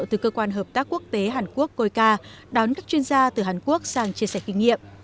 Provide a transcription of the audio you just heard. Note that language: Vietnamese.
từ cơ quan hợp tác quốc tế hàn quốc coica đón các chuyên gia từ hàn quốc sang chia sẻ kinh nghiệm